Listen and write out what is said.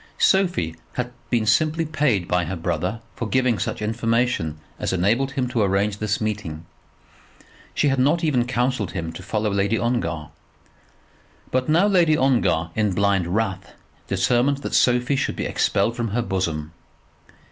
Sophie had been simply paid by her brother for giving such information as enabled him to arrange this meeting. She had not even counselled him to follow Lady Ongar. But now Lady Ongar, in blind wrath, determined that Sophie should be expelled from her bosom.